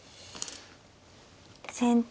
先手